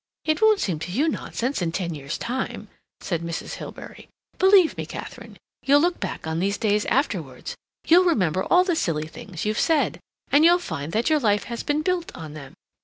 "It won't seem to you nonsense in ten years' time," said Mrs. Hilbery. "Believe me, Katharine, you'll look back on these days afterwards; you'll remember all the silly things you've said; and you'll find that your life has been built on them.